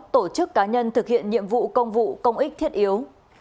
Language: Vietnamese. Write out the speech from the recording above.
tổ chức cá nhân thực hiện nhiệm vụ công vụ công ích thiết yếu